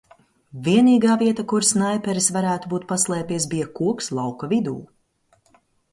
Vienīgā vieta, kur snaiperis varētu būt paslēpies, bija koks lauka vidū.